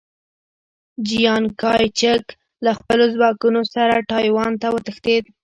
چیانکایچک له خپلو ځواکونو سره ټایوان ته وتښتېد.